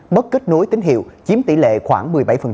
mất kết nối tín hiệu chiếm tỷ lệ khoảng một mươi bảy